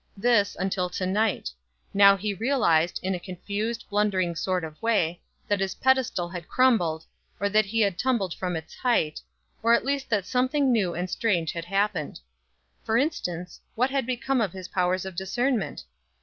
This, until to night: now he realized, in a confused, blundering sort of way, that his pedestal had crumbled, or that he had tumbled from its hight, or at least that something new and strange had happened. For instance, what had become of his powers of discernment?